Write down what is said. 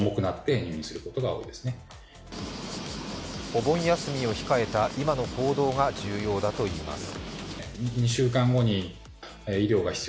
お盆休みを控えた今の行動が重要だといいます。